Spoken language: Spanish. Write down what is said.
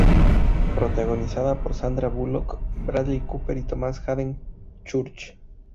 Protagonizada por Sandra Bullock, Bradley Cooper y Thomas Haden Church.